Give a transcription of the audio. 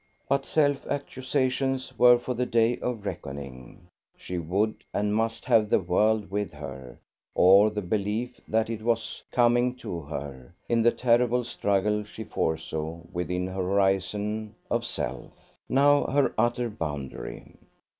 But self accusations were for the day of reckoning; she would and must have the world with her, or the belief that it was coming to her, in the terrible struggle she foresaw within her horizon of self, now her utter boundary.